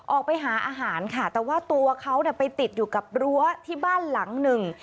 ออกไปหาอาหารค่ะแต่ว่าตัวเขาเนี่ยไปติดอยู่กับรั้วที่บ้านหลังหนึ่ง